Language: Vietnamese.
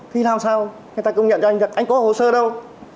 thì làm sao người ta công nhận cho anh được anh có hồ sơ đâu